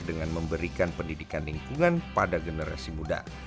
dengan memberikan pendidikan lingkungan pada generasi muda